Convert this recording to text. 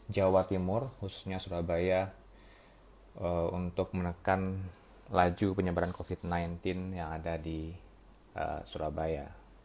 jawa timur khususnya surabaya untuk menekan laju penyebaran covid sembilan belas yang ada di surabaya